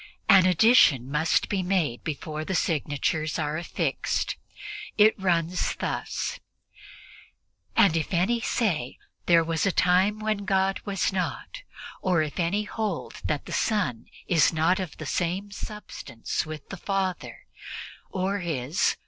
An addition must be made before the signatures are affixed. It runs thus: "And if any say, 'There was a time when God was not; or if any hold that the Son is not of the same substance with the Father, or is